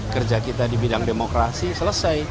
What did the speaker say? kerja kita di bidang demokrasi selesai